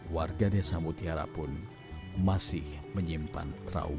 warga desa mutiara pun masih menyimpan trauma